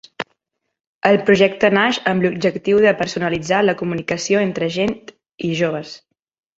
El projecte naix amb l’objectiu de personalitzar la comunicació entre agent i joves.